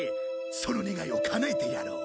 その願いをかなえてやろう。